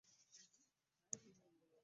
Lumonde omufumbe n'ebikuta atera okukaluba.